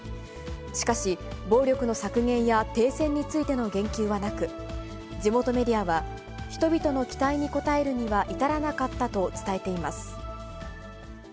しかし、暴力の削減や停戦についての言及はなく、地元メディアは、人々の期待に応えるには至らなかったと伝えています。